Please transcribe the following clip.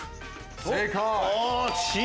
正解！